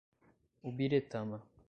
Ubiretama